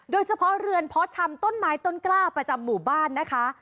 โดยเฉพาะเรือนเพาะชำต้นไม้ต้นกล้าประจำหมู่บ้านนะคะ